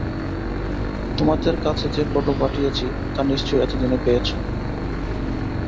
তোমাদের কাছে যে ফটো পাঠিয়েছি, তা নিশ্চয়ই এতদিনে পেয়েছ।